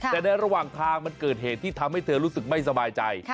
แต่ในระหว่างทางมันเกิดเหตุที่ทำให้เธอรู้สึกไม่สบายใจ